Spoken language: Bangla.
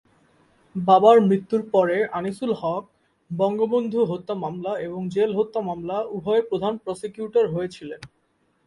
বাবার মৃত্যুর পরে আনিসুল হক বঙ্গবন্ধু হত্যা মামলা এবং জেল হত্যা মামলা উভয়ের প্রধান প্রসিকিউটর হয়েছিলেন।